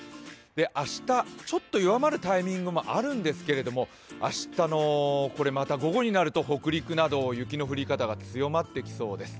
明日、ちょっと弱まるタイミングもあるんですけれども、明日の午後になると北陸など雪の降り方が強まってきそうです。